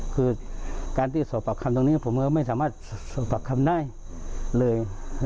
คือการที่สอบปากคำตรงนี้ผมก็ไม่สามารถสอบปากคำได้เลย